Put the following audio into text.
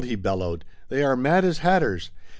he bellowed. "They are mad as hatters!